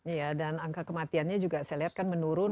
iya dan angka kematiannya juga saya lihat kan menurun